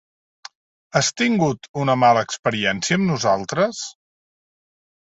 Has tingut una mala experiència amb nosaltres?